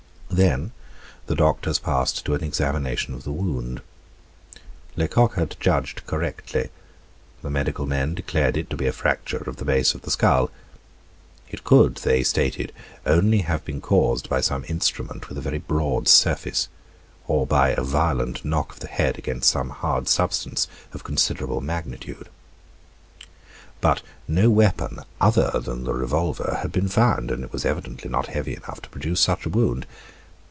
Then the doctors passed to an examination of the wound. Lecoq had judged correctly. The medical men declared it to be a fracture of the base of the skull. It could, they stated, only have been caused by some instrument with a very broad surface, or by a violent knock of the head against some hard substance of considerable magnitude. But no weapon, other than the revolver, had been found; and it was evidently not heavy enough to produce such a wound.